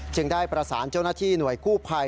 ได้ประสานเจ้าหน้าที่หน่วยกู้ภัย